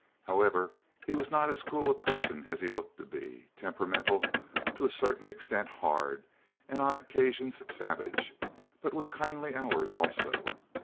However, he was not as cruel a person as he looked to be; temperamental, to a certain extent hard, and on occasions savage, but with kindly hours also.